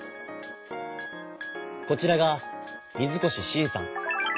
こちらが水越伸さん。